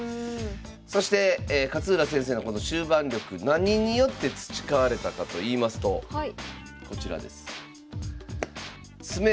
そして勝浦先生のこの終盤力何によって培われたかといいますとこちらです。